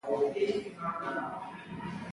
سیلابونه د افغانستان د کلتوري میراث برخه ده.